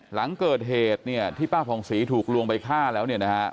หลังเกิดเหตุที่ป้าผ่องศรีถูกลวงไปฆ่าแล้วนะครับ